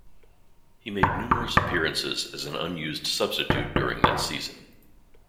He made numerous appearances as an unused substitute during that season.